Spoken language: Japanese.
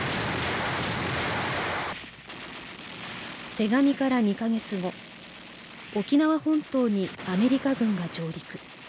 手紙から２か月後沖縄本島にアメリカ軍が上陸。